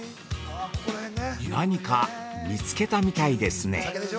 ◆何か見つけたみたいですね。